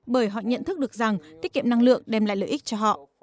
bởi họ nhận thức được rằng tiết kiệm năng lượng đem lại lợi ích cho họ